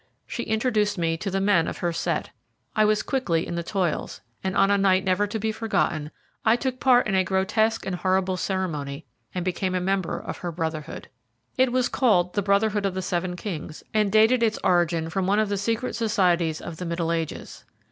She introduced me to the men of her set I was quickly in the toils, and on a night never to be forgotten, I took part in a grotesque and horrible ceremony, and became a member of her Brotherhood. It was called the Brotherhood of the Seven Kings, and dated its origin from one of the secret societies of the Middle Ages.